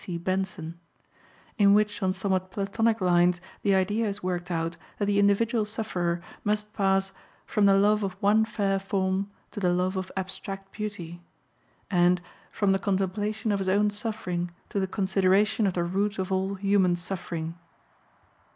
C. Benson), in which on somewhat Platonic lines the idea is worked out that the individual sufferer must pass "from the love of one fair form to the love of abstract beauty" and "from the contemplation of his own suffering to the consideration of the root of all human suffering."